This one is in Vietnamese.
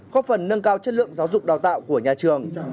góp phần nâng cao chất lượng giáo dục đào tạo của nhà trường